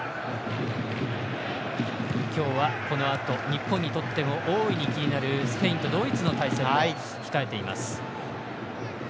今日はこのあと日本にとってもおおいに気になるスペインとドイツの対戦も控えています。